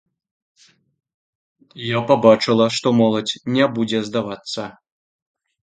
Я пабачыла, што моладзь не будзе здавацца.